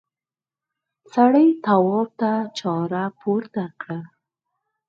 سړي تواب ته چاړه پورته کړه.